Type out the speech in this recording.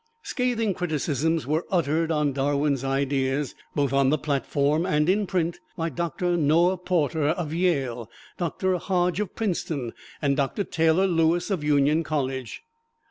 Scathing criticisms were uttered on Darwin's ideas, both on the platform and in print, by Doctor Noah Porter of Yale, Doctor Hodge of Princeton, and Doctor Tayler Lewis of Union College.